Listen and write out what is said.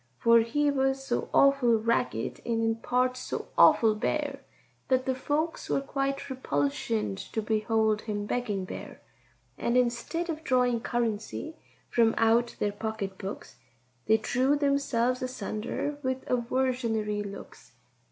For he was so awful ragged, and in parts so awful bare, That the folks were quite repulsioned to behold him begging there; And instead of drawing currency from out their pocket books, They drew themselves asunder with aversionary looks.